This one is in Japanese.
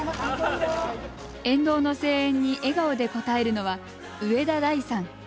沿道の声援に笑顔で応えるのは植田大さん。